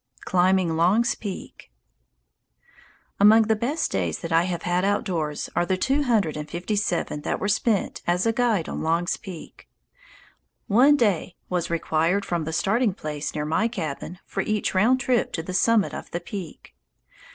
Climbing Long's Peak Among the best days that I have had outdoors are the two hundred and fifty seven that were spent as a guide on Long's Peak. One day was required from the starting place near my cabin for each round trip to the summit of the peak.